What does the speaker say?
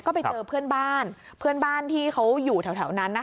ก็ไปเจอเพื่อนบ้านเพื่อนบ้านที่เขาอยู่แถวนั้นนะคะ